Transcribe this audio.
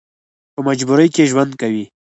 په مجبورۍ کې ژوند کوي.